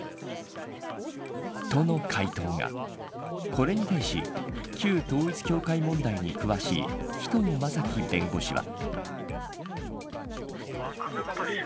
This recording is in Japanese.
これに対し旧統一教会問題に詳しい紀藤正樹弁護士は。